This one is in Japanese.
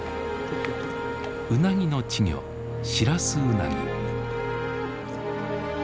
ウナギの稚魚シラスウナギ。